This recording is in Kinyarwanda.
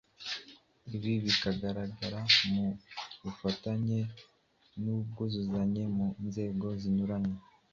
Ibi bikagaragarira mu bufatanye n’ubwuzuzanye mu nzego zinyuranye